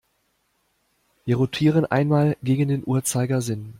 Wir rotieren einmal gegen den Uhrzeigersinn.